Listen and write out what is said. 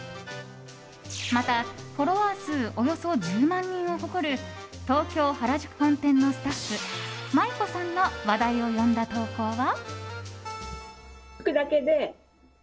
また、フォロワー数およそ１０万人を誇る東京・原宿本店のスタッフＭａｉｋｏさんの話題を呼んだ投稿は。